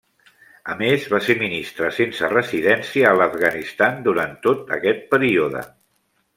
A més va ser ministre sense residència a l'Afganistan durant tot aquest període.